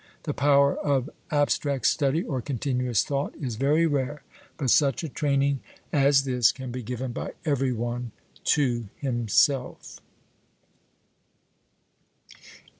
The power of abstract study or continuous thought is very rare, but such a training as this can be given by every one to himself.